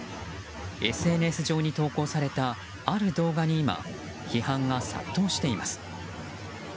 ＳＮＳ上に投稿されたある動画に今、批判が殺到しています。